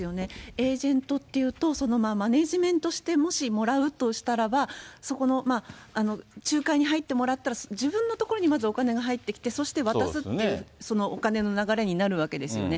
エージェントっていうと、マネジメントしてもらうとしたらば、そこの仲介に入ってもらったら、自分のところにまずお金が入ってきて、そして渡すっていう、そのお金の流れになるわけですよね。